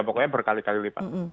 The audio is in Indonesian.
pokoknya berkali kali lipat